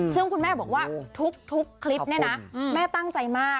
ซึ่งคุณแม่บอกว่าทุกคลิปเนี่ยนะแม่ตั้งใจมาก